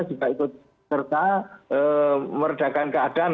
supaya itu serta meredakan keadaan